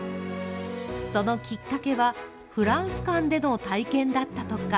そのきっかけは、フランス館での体験だったとか。